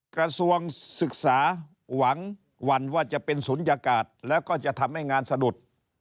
กระทรวงศึกษาหวังวันว่าจะเป็นศูนยากาศแล้วก็จะทำให้งานสะดุด